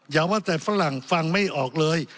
อย่าว่าแต่ฝรั่งฟังไม่ออกเลย